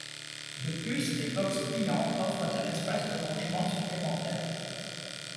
De plus, des box pliants offrent un espace de rangement supplémentaire.